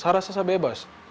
saya rasa saya bebas